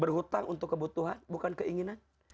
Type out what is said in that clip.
berhutang untuk kebutuhan bukan keinginan